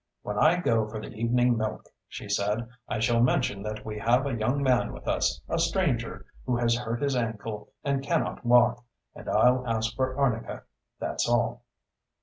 "When I go for the evening milk," she said, "I shall mention that we have a young man with us, a stranger, who has hurt his ankle and cannot walk. And I'll ask for arnica. That's all."